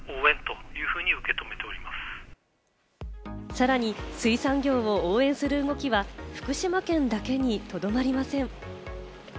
さらに水産業を応援する動きは福島県だけにとどまりません。